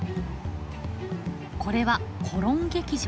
これはコロン劇場。